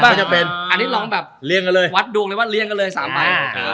อันนี้ลองแบบวัดดุงเลย๓ใบ